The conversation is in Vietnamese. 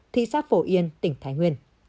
thị xác phổ yên tỉnh thái nguyên